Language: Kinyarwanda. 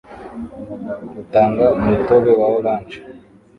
utanga umutobe wa orange